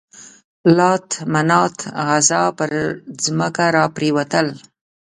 لات، منات، عزا پر ځمکه را پرېوتل.